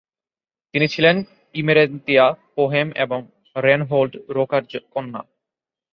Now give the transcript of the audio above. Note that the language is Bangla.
তিনি ছিলেন ইমেরেন্তিয়া পোহেম এবং রেনহোল্ড রোকার কন্যা।